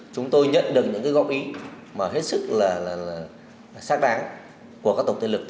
chúng tôi nhận được những góp ý hết sức là xác đáng của các tổng thể lực